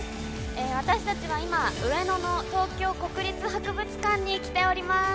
私たちは今、上野の東京国立博物館に来ています。